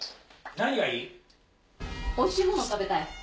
おいしいもの食べたい。